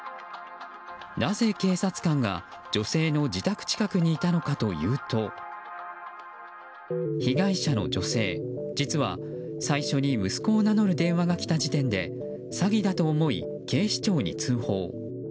なぜ警察官が女性の自宅近くにいたのかというと被害者の女性実は最初に息子を名乗る電話が来た時点で詐欺だと思い、警視庁に通報。